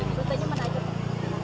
di dalam sini